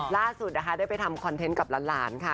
ล่าสุดนะคะได้ไปทำคอนเทนต์กับหลานค่ะ